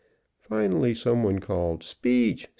Finally, some one called, "Speech!